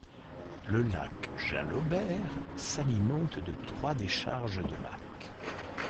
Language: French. Le lac Jalobert s’alimente de trois décharges de lacs.